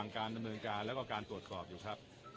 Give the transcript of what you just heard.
การดำเนินการแล้วก็การตรวจสอบอยู่ครับ